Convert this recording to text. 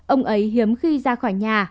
ông ấy hiếm khi ra khỏi nhà